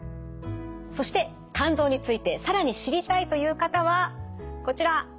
そして肝臓について更に知りたいという方はこちら。